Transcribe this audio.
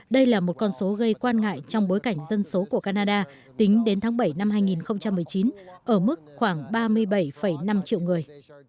đây là một con số gây quan ngại trong bối cảnh dân số của canada tính đến tháng bảy năm hai nghìn một mươi chín ở mức khoảng ba mươi bảy năm triệu người